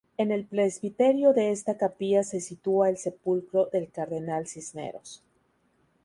En el presbiterio de esta Capilla se sitúa el sepulcro del Cardenal Cisneros.